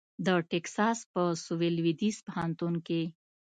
د ټیکساس په سوېل لوېدیځ پوهنتون کې